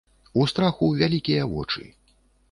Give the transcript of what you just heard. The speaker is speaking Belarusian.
У страху вялікія вочы.